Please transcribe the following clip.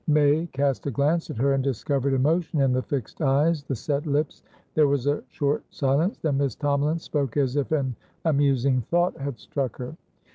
May cast a glance at her, and discovered emotion in the fixed eyes, the set lips. There was a short silence, then Miss Tomalin spoke as if an amusing thought had struck her.